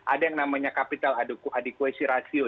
ada yang namanya kapital adequacy ratio